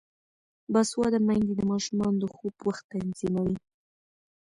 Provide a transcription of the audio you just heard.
باسواده میندې د ماشومانو د خوب وخت تنظیموي.